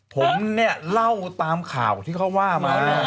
ผมเนี่ยเล่าตามข่าวที่เขาว่ามา